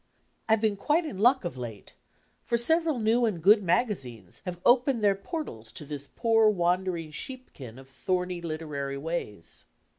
I've been quite in luck of late, for several new and good magazines have opened their portals to this poor wandering sheepkin of thorny literary ways.